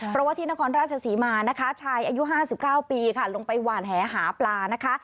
เพราะว่าที่นครราชศรีมานะคะชายอายุ๕๙ปีค่ะลงไปหวานแหหาปลานะคะ